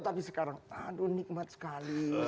tapi sekarang aduh nikmat sekali